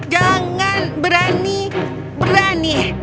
jangan berani berani